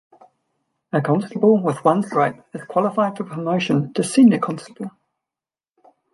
A Constable with one stripe is qualified for promotion to Senior Constable.